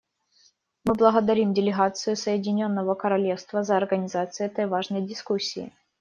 Мы благодарим делегацию Соединенного Королевства за организацию этой важной дискуссии.